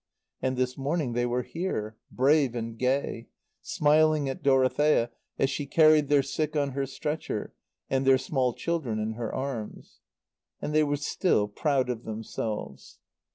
And this morning they were here, brave and gay, smiling at Dorothea as she carried their sick on her stretcher and their small children in her arms. And they were still proud of themselves.